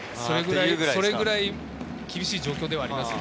それくらい厳しい状況ではあります。